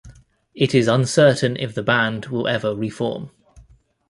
It is uncertain if the band will ever reform.